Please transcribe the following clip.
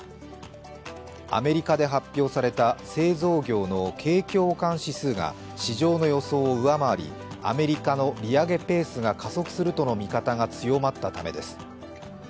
アメリカで発表された製造業の景況感指数が市場の予想を上回り、アメリカの利上げペースが加速するとの見方が強まったためです。